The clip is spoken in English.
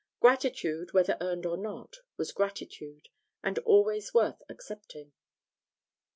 Gratitude, whether earned or not, was gratitude, and always worth accepting.